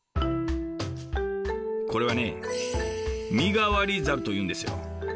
これはね「身代わり申」というんですよ。